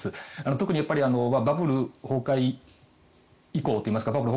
特にバブル崩壊以降といいますかバブル